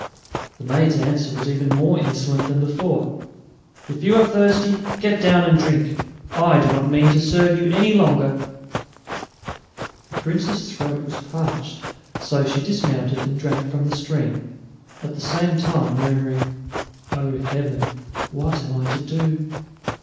The maid's answer was even more insolent than before. "If you are thirsty, get down and drink. I do not mean to serve you any longer." The Princess's throat was parched, so she dismounted and drank from the stream, at the same time murmuring, "O, Heaven! what am I to do?"